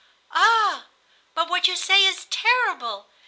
'" "Ah, but what you say is terrible!